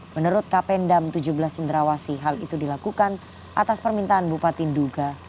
menurut kapendam tujuh belas cendrawasi hal itu dilakukan atas permintaan bupati duga